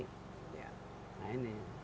tapi setelah ini